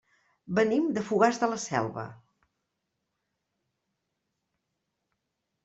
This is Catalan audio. Venim de Fogars de la Selva.